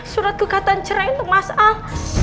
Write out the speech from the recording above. surat kegatan cerai untuk mas al